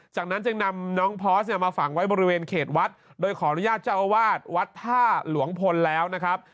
จากนั้นจึงนำน้องพอสเนี่ยมาฝังไว้บริเวณเขตวัดโดยขออนุญาตเจ้าอาวาสวัดท่าหลวงพลแล้วนะครับ